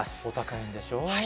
お高いんでしょう？